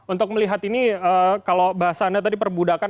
untuk melihat ini kalau bahasanya tadi perbudakan